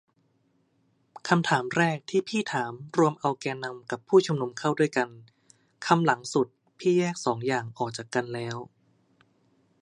คำถามแรกพี่ถามรวมเอาแกนนำกับผู้ชุมนุมเข้าด้วยกัน คำหลังสุด พี่แยกสองอย่างออกจากกันแล้ว